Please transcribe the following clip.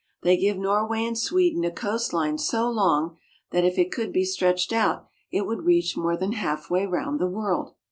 They give Norway and Sweden a coast line so long that, if it could be stretched out, it would reach more than halfway round the world.